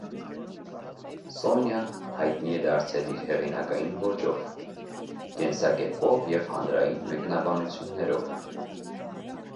Սոնյան հայտնի է դարձել իր հեղինակային ոճով, կենսակերպով և հանրային մեկնաբանություններով։